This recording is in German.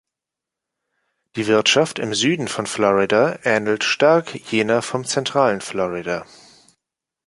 Die Wirtschaft im Süden von Florida ähnelt stark jener vom zentralen Florida.